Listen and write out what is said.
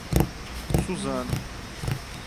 Suzano